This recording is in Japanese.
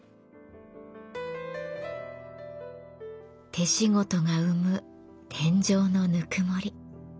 手仕事が生む天井のぬくもり。